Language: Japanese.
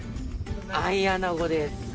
アイアナゴです。